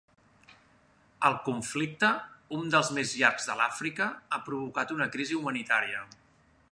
El conflicte, un dels més llargs de l'Àfrica, ha provocat una crisi humanitària.